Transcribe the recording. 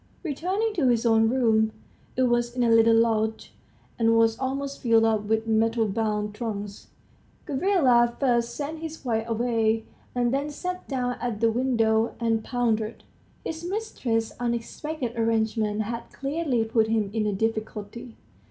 Returning to his own room (it was in a little lodge, and was almost filled up with metal bound trunks), Gavrila first sent his wife away, and then sat down at the window and pondered. His mistress's unexpected arrangement had clearly put him in a difficulty.